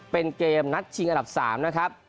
เป็นเกมนัดชิงอันดับ๓นะครับ